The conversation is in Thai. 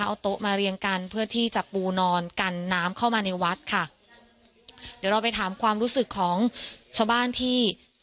เอาโต๊ะมาเรียงกันเพื่อที่จะปูนอนกันน้ำเข้ามาในวัดค่ะเดี๋ยวเราไปถามความรู้สึกของชาวบ้านที่